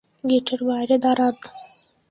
গেটের বাইরে দাঁড়ান।